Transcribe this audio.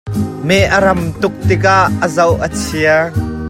Meh a ram tuk tikah a zoh a chia.